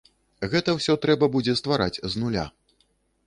Гэта ўсё трэба будзе ствараць з нуля.